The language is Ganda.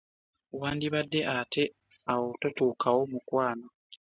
Wandibadde ate awo totuukawo mukwano.